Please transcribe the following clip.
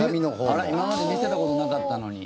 あら今まで見せたことなかったのに。